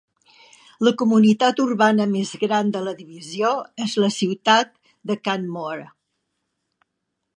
La comunitat urbana més gran de la divisió és la ciutat de Canmore.